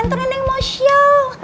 nanti neneng mau show